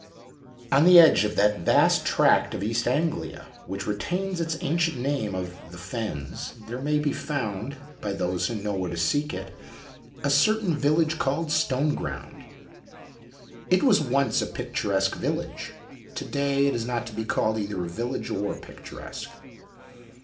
On the edge of that vast tract of East Anglia, which retains its ancient name of the Fens, there may be found, by those who know where to seek it, a certain village called Stoneground. It was once a picturesque village. To day it is not to be called either a village, or picturesque.